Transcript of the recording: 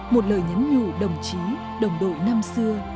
một lời nhắn nhủ đồng chí đồng đội năm xưa